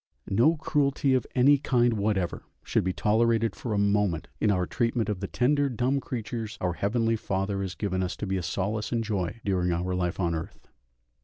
No cruelty of any kind whatever should be tolerated for a moment in our treatment of the tender dumb creatures our Heavenly Father has given us to be a solace and joy during our life on earth.